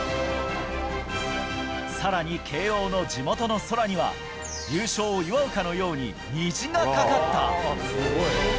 さらに慶応の地元の空には、優勝を祝うかのように、虹がかかった。